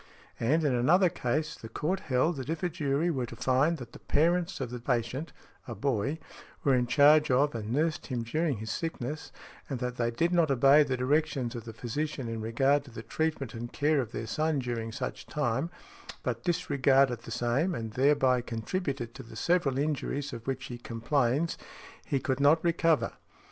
And, in another case, the court held that if a jury were to find that the parents of the patient (a boy) were in charge of and nursed him during his sickness, and that they did not obey the directions of the physician in regard to the treatment and care of their son during such time, but disregarded the same, and thereby contributed to the several injuries of which he complains, he could not recover.